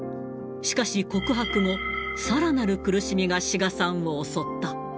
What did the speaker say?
しかし、告白後、さらなる苦しみが、志賀さんを襲った。